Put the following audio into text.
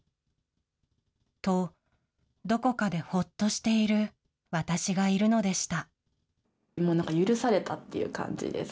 と、どこかでほっとしているわたしがいるのでした。